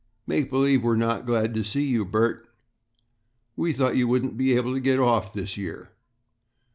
"Make believe we're not glad to see you, Bert. We thought you wouldn't be able to get off this year."